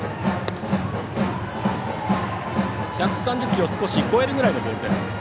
１３０キロを少し超えるくらいのボールです。